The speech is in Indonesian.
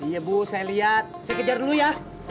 iya bu saya liat saya kejar dulu ya